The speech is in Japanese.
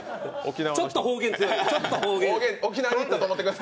ちょっと方言強い。